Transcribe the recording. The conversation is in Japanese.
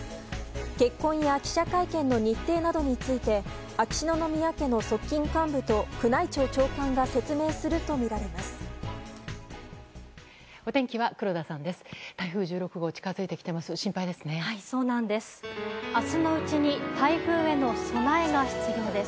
結婚や記者会見の日程などについて秋篠宮家の側近幹部と宮内庁幹部が説明するとみられます。